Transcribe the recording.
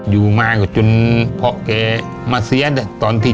อยู่มาก็จนพ่อแกมาเอพ่อฉันมาเลือกสร้างจุดซึง๒๔ปี